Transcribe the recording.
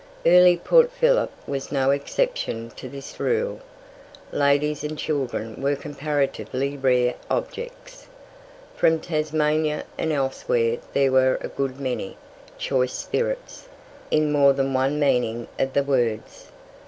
Early Port Phillip was no exception to this rule. Ladies and children were comparatively rare objects. From Tasmania and elsewhere there were a good many "choice spirits" in more than one meaning of the words.